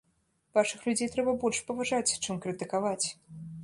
Вашых людзей трэба больш паважаць, чым крытыкаваць.